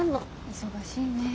忙しいね。